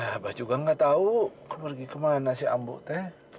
abah juga nggak tahu pergi kemana sih ambu teh